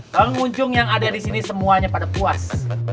bang munjung yang ada disini semuanya pada puas